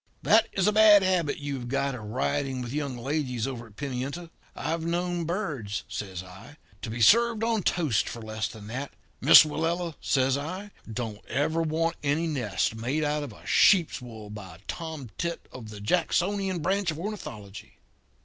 That is a bad habit you have got of riding with young ladies over at Pimienta. I've known birds,' says I, 'to be served on toast for less than that. Miss Willella,' says I, 'don't ever want any nest made out of sheep's wool by a tomtit of the Jacksonian branch of ornithology.